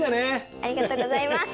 ありがとうございます！